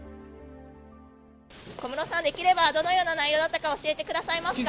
小室さん、できればどのような内容だったか、教えてくださいますか。